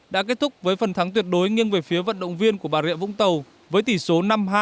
đã kết thúc với phần thắng tuyệt đối nghiêng về phía vận động viên của bà rịa vũng tàu với tỷ số năm hai